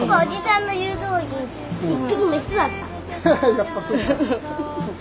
やっぱりそうか。